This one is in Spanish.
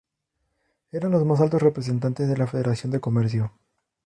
Eran los más altos representantes de la Federación de comercio.